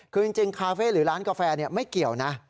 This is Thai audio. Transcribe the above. คือจริงคาเฟ่หรือร้านกาแฟไม่เกี่ยวนะ